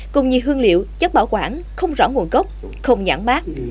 cùng nhiều hương liệu chất bảo quản không rõ nguồn gốc không nhãn mát